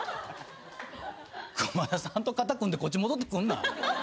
クマダさんと肩組んでこっち戻ってくんな。